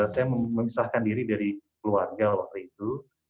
saya memisahkan diri dari keluarga waktu itu